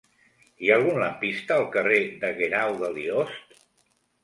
Hi ha algun lampista al carrer de Guerau de Liost?